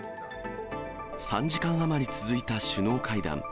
３時間余り続いた首脳会談。